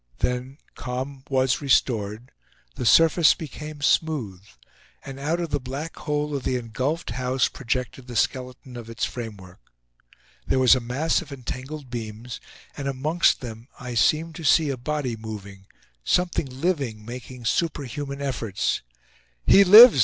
Then calm was restored, the surface became smooth; and out of the black hole of the engulfed house projected the skeleton of its framework. There was a mass of entangled beams, and, amongst them, I seemed to see a body moving, something living making superhuman efforts. "He lives!"